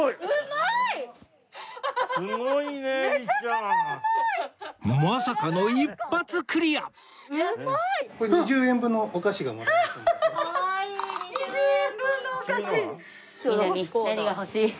まさかの一発クリアかわいい！